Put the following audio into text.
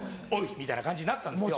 みたいな感じになったんですよ。